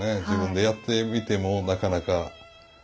自分でやってみてもなかなか。